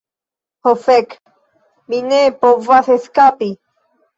Oh fek, mi ne povas eskapi!